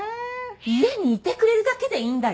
家にいてくれるだけでいいんだよ？